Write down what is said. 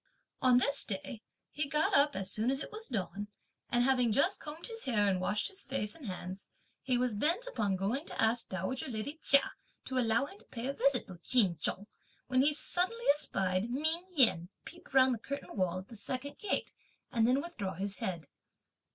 On this day, he got up as soon as it was dawn, and having just combed his hair and washed his face and hands, he was bent upon going to ask dowager lady Chia to allow him to pay a visit to Ch'in Chung, when he suddenly espied Ming Yen peep round the curtain wall at the second gate, and then withdraw his head.